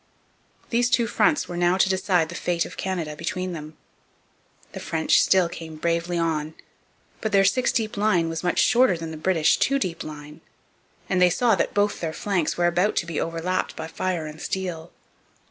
These two fronts were now to decide the fate of Canada between them. The French still came bravely on; but their six deep line was much shorter than the British two deep line, and they saw that both their flanks were about to be over lapped by fire and steel.